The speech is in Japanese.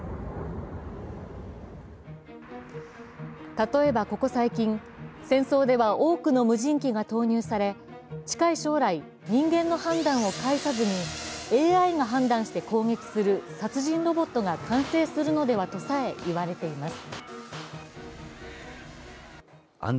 例えばここ最近、戦争では多くの無人機が投入され近い将来、人間の判断を介さずにＡＩが判断して攻撃する殺人ロボットが完成するのではとさえいわれています。